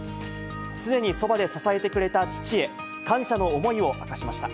常にそばで支えてくれた父へ、感謝の思いを明かしました。